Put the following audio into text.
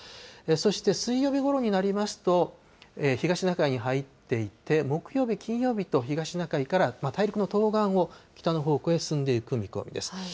そして水曜日ごろになりますと、東シナ海に入っていって、木曜日、金曜日と、東シナ海から、大陸の東岸を北の方向へ進んでいく見込みです。